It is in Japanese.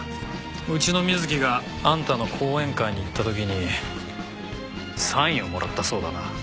うちの水木があんたの講演会に行った時にサインをもらったそうだな。